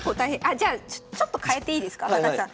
じゃあちょっと変えていいですか高橋さん。